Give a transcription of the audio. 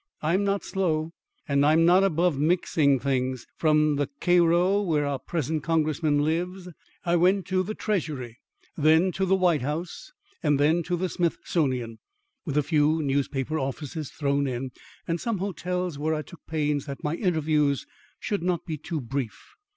I'm not slow, and I'm not above mixing things. From the Cairo where our present congressman lives, I went to the Treasury, then to the White House, and then to the Smithsonian with a few newspaper offices thrown in, and some hotels where I took pains that my interviews should not be too brief.